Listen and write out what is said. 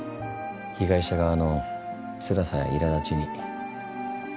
被害者側のつらさやいらだちに。